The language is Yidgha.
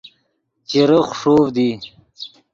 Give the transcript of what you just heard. چیرے خݰوڤد ای